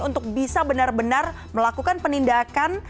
untuk bisa benar benar melakukan penindakan